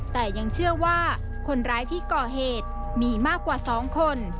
แต่ยังเชื่อว่าคนร้ายที่ก่อเหตุมีมากกว่า๒คน